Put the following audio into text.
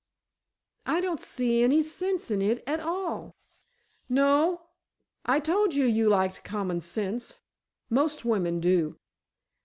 "I don't see any sense in it at all." "No? I told you you lacked common sense. Most women do."